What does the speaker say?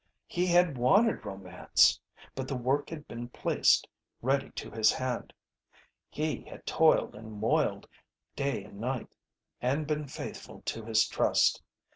He had wanted romance, but the work had been placed ready to his hand. He had toiled and moiled, day and night, and been faithful to his trust.